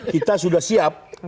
kita sudah siap